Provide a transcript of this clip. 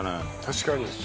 確かに！